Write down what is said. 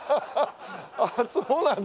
あっそうなんだ。